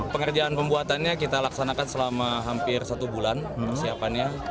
pengerjaan pembuatannya kita laksanakan selama hampir satu bulan persiapannya